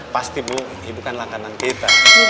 pasti bu ini bukan langganan kita